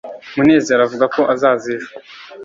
munezero avuga ko azaza ejo